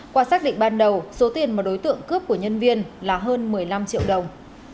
qua xác định ban đầu số tiền mà đối tượng cướp của nhân viên là hơn một mươi năm triệu đồng